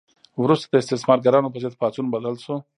وروسته د استثمارګرانو په ضد پاڅون بدل شو.